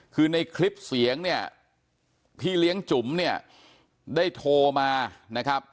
คือในคลิปเสียงพี่เลี้ยงจุ๋มได้โทรมา